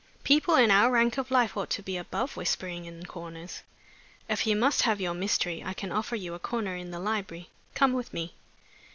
People in our rank of life ought to be above whispering in corners. If you must have your mystery, I can offer you a corner in the library. Come with me."